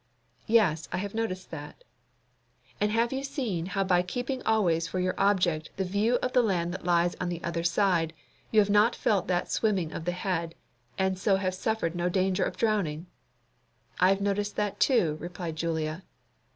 "Yes, I have noticed that." "And have you seen how by keeping always for your object the view of the land that lies on the other side, you have not felt that swimming of the head, and so have suffered no danger of drowning?" "I have noticed that too," replied Julia.